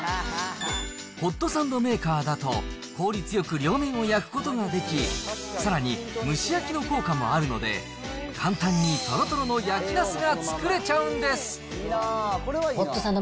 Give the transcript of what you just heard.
ホットサンドメーカーだと効率よく両面を焼くことができ、さらに蒸し焼きの効果もあるので、簡単にとろとろの焼きなすが作れちゃうんです。